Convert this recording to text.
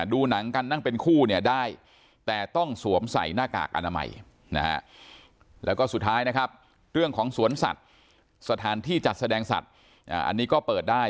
ดูหนังกันเป็นคู่เนี่ยได้แต่ต้องสวมใส่หน้ากากอนามัย